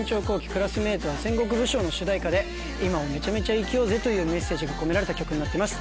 クラスメイトは戦国武将』の主題歌で今をめちゃめちゃ生きようぜというメッセージが込められた曲になっています